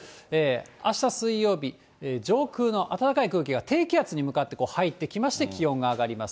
あした水曜日、上空の暖かい空気が低気圧に向かって入ってきまして、気温が上がります。